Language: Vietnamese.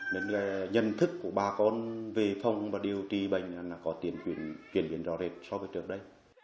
nên nhân thức của bà con về phòng và điều trị bệnh là có tiền chuyển rõ rệt so với trước đây